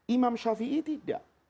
imam shafi'i tidak